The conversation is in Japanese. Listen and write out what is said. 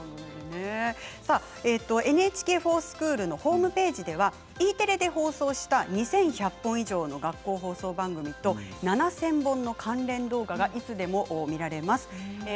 「ＮＨＫｆｏｒＳｃｈｏｏｌ」のホームページではＥテレで放送した２１００本以上の学校放送番組と７０００本の関連動画がいつでも見られます。